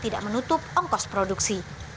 tidak menutup ongkos produksi